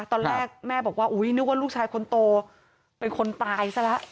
ตอนแรกแม่บอกว่าอุ๊ยนึกว่าลูกชายคนโตเป็นคนตายซะแล้ว